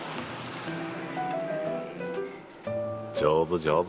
上手上手。